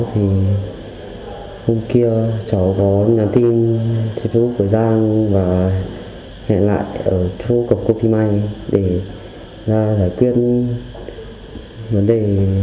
hôm kia cháu có nhắn tin cho chú úc với giang và hẹn lại ở chỗ cổng công ty may để ra giải quyết vấn đề